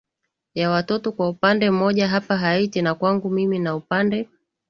ya watoto kwa upande mmoja hapa haiti na kwangu mimi na upande